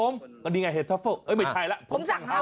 วิทยาลัยศาสตร์อัศวิทยาลัยศาสตร์